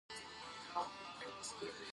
انتقاد کول اسانه دي.